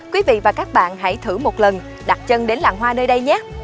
quý vị và các bạn hãy thử một lần đặt chân đến làng hoa nơi đây nhé